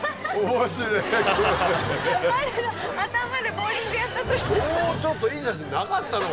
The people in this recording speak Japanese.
もうちょっといい写真なかったの？